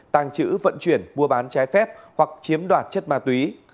tàng trữ vận chuyển mua bán trái phép hoặc chiếm đoạt chất ma túy